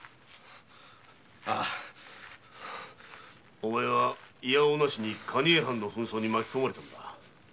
お前はいやおうなしに蟹江藩の紛争に巻き込まれたのだ。